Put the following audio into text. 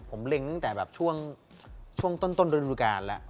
ผมเล็งตั้งแต่แบบช่วงช่วงต้นรายลูกภาพแล้ว